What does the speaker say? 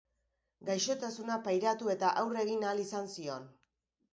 Gaixotasuna pairatu eta aurre egin ahal izan zion.